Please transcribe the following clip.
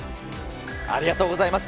ありがとうございます。